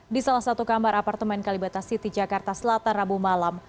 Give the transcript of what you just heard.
di salah satu kamar apartemen kalibata city jakarta selatan rabu malam